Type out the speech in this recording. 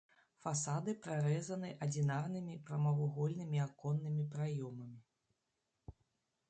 Фасады прарэзаны адзінарнымі прамавугольнымі аконнымі праёмамі.